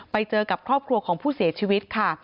ไปเจอกับครอบครัวของผู้เสียชีวิตค่ะ